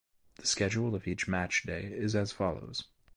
The schedule of each matchday is as follows.